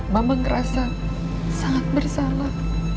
mama ngerasa sangat bersalah